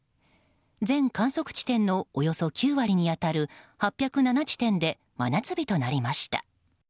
全観測地点のおよそ９割に当たる８０７地点で真夏日となりました。